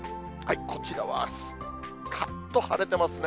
こちらはすかっと晴れてますね。